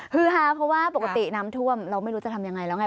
คือฮาเพราะว่าปกติน้ำท่วมเราไม่รู้จะทำยังไงแล้วไง